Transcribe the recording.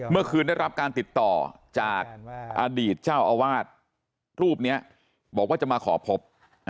ได้รับการติดต่อจากอดีตเจ้าอาวาสรูปนี้บอกว่าจะมาขอพบ